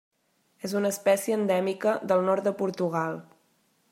És una espècie endèmica del nord de Portugal.